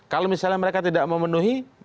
kalau misalnya mereka tidak memenuhi